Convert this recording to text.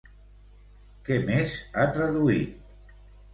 Què més ha traduït?